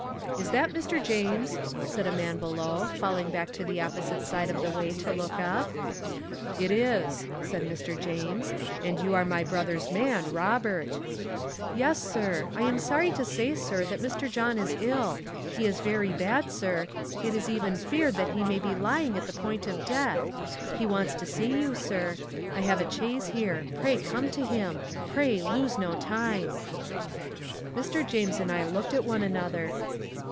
'Is that Mr. James?' said a man below, falling back to the opposite side of the way to look up. 'It is,' said Mr. James, 'and you are my brother's man, Robert.' 'Yes, Sir. I am sorry to say, Sir, that Mr. John is ill. He is very bad, Sir. It is even feared that he may be lying at the point of death. He wants to see you, Sir. I have a chaise here. Pray come to him. Pray lose no time.' Mr. James and I looked at one another.